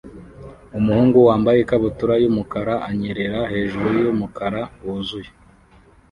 Umuhungu wambaye ikabutura yumukara anyerera hejuru yumukara wuzuye